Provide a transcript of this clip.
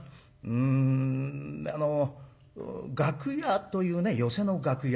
んあの楽屋というね寄席の楽屋。